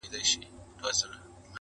په تن خرقه په لاس کي دي تسبې لرې که نه،